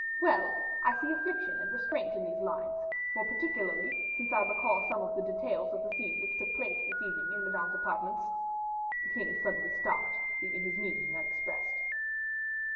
"Well! I see affliction and restraint in these lines; more particularly since I recall some of the details of the scene which took place this evening in Madame's apartments " The king suddenly stopped, leaving his meaning unexpressed.